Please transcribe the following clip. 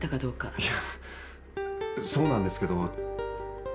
いやそうなんですけど。